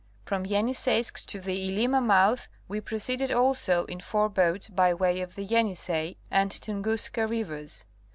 From Yeniseisk to the [ima mouth we proceeded also in four boats by way of the Yenisei and Tunguska rivers.